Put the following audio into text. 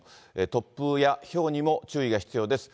突風やひょうにも注意が必要です。